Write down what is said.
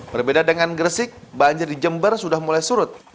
berbeda dengan gresik banjir di jember sudah mulai surut